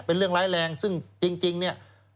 เป็นเรื่องร้ายแรงซึ่งจริงเนี่ย